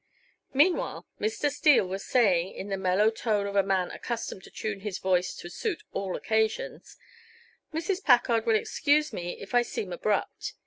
Meanwhile Mr. Steele was saying in the mellow tone of a man accustomed to tune his voice to suit all occasions: "Mrs. Packard will excuse me if I seem abrupt.